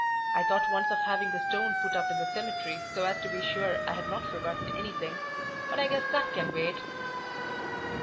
I thought once of having a stone put up in the cemetery so as to be sure I had not forgotten anything, but I guess that can wait."